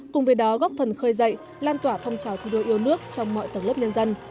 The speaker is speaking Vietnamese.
cùng với đó góp phần khơi dậy lan tỏa phong trào thi đua yêu nước trong mọi tầng lớp nhân dân